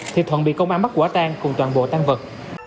thì thuận bị công an bắt quả tan cùng toàn bộ tan vật